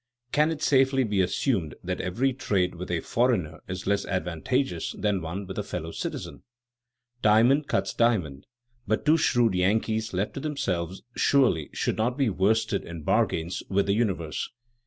Can it safely be assumed that every trade with a foreigner is less advantageous than one with a fellow citizen? Diamond cuts diamond, but two shrewd Yankees left to themselves surely should not be worsted in bargains with the universe.